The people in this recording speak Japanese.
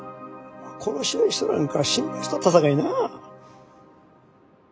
殺し合いしとらんか心配しとったさかいな。